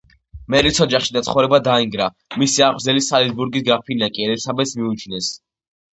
მერის ოჯახი და ცხოვრება დაინგრა, მისი აღმზრდელი სალისბურის გრაფინია კი ელისაბედს მიუჩინეს.